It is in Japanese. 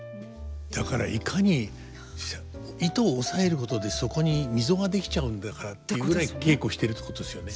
だからいかに糸を押さえることでそこに溝が出来ちゃうんだからっていうぐらい稽古してるってことですよね。